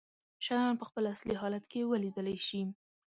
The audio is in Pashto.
شيان په خپل اصلي حالت کې ولیدلی شي.